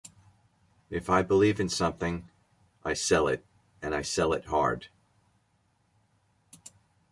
If I believe in something, I sell it, and I sell it hard.